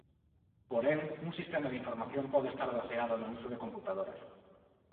Porén un sistema de información pode estar baseado no uso de computadoras.